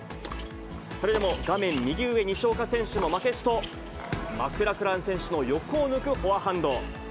それでも画面右上、西岡選手も負けじと、マクラクラン選手の横を抜くフォアハンド。